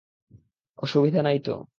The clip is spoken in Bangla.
অসুবিধা নাই তো?